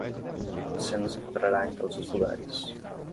Você nos encontrará em todos os lugares.